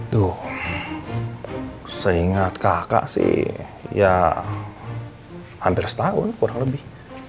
tuh seingat kakak sih ya hampir setahun kurang lebih